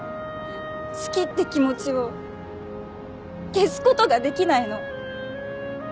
好きって気持ちを消すことができないの。